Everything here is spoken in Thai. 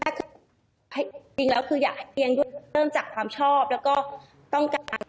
ก็คือจริงแล้วคืออยากให้เตียงด้วยเริ่มจากความชอบแล้วก็ต้องการ